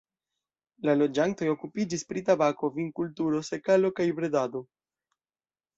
La loĝantoj okupiĝis pri tabako, vinkulturo, sekalo kaj bredado.